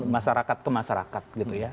masyarakat ke masyarakat gitu ya